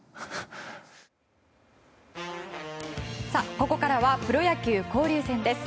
ここからはプロ野球交流戦です。